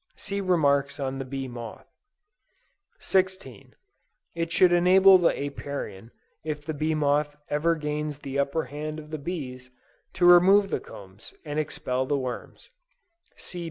(See remarks on the Bee Moth.) 16. It should enable the Apiarian, if the bee moth ever gains the upper hand of the bees, to remove the combs, and expel the worms.